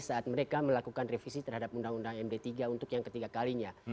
saat mereka melakukan revisi terhadap undang undang md tiga untuk yang ketiga kalinya